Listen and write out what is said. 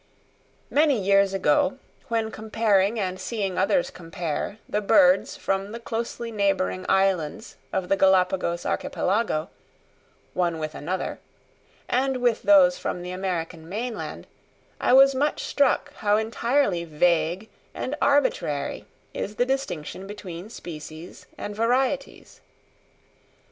Many years ago, when comparing, and seeing others compare, the birds from the closely neighbouring islands of the Galapagos Archipelago, one with another, and with those from the American mainland, I was much struck how entirely vague and arbitrary is the distinction between species and varieties.